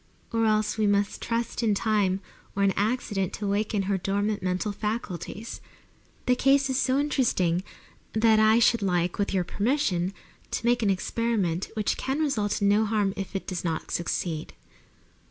Or else, we must trust to time or an accident to awaken her dormant mental faculties. The case is so interesting that I should like, with your permission, to make an experiment which can result in no harm if it does not succeed."